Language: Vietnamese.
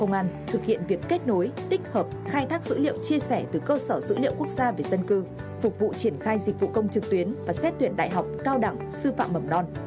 công an thực hiện việc kết nối tích hợp khai thác dữ liệu chia sẻ từ cơ sở dữ liệu quốc gia về dân cư phục vụ triển khai dịch vụ công trực tuyến và xét tuyển đại học cao đẳng sư phạm mầm non